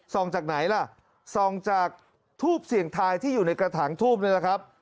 จากไหนล่ะส่องจากทูบเสี่ยงทายที่อยู่ในกระถางทูบนี่แหละครับ